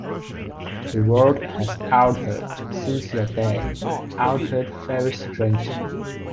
The world has altered since your day, altered very strangely.